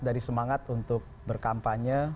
dari semangat untuk berkampanye